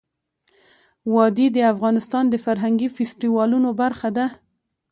وادي د افغانستان د فرهنګي فستیوالونو برخه ده.